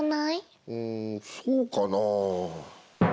うんそうかなぁ？